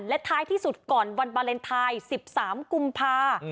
และท้ายที่สุดก่อนวันวาเลนไทย๑๓กุมภา